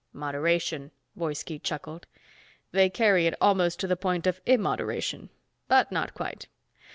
"Moderation," Woiski chuckled. "They carry it almost to the point of immoderation. But not quite.